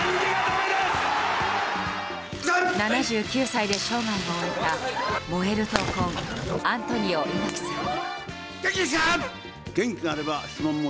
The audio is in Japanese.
７９歳で生涯を終えた燃える闘魂アントニオ猪木さん。